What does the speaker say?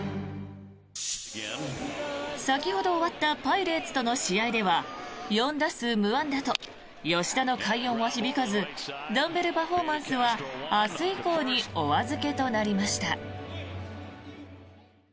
先ほど終わったパイレーツとの試合では４打数無安打と吉田の快音は響かずダンベルパフォーマンスは明日以降にお預けとなりました。